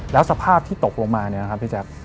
แล้วสภาพที่ตกลงมาเนี่ยนะครับพี่แจ๊ค